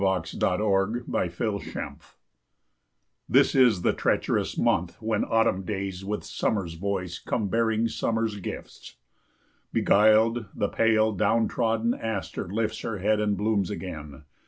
Helen Hunt Jackson November THIS is the treacherous month when autumn days With summer's voice come bearing summer's gifts. Beguiled, the pale down trodden aster lifts Her head and blooms again.